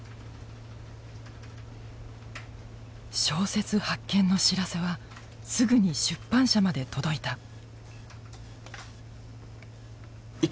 小説発見の知らせはすぐに出版社まで届いた。